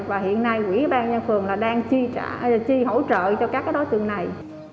và hiện nay quỹ ban nhân phường là đang chi hỗ trợ cho các đối tượng này